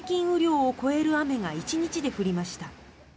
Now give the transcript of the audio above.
雨量を超える雨が１日で降りました。